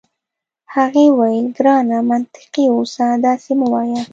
هغې وویل: ګرانه منطقي اوسه، داسي مه وایه.